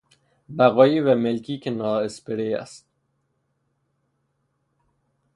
بقایی و ملکی که نا اسپری است